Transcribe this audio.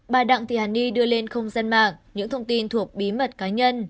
bà đặng thị hàn ni đưa lên không gian mạng những thông tin thuộc bí mật cá nhân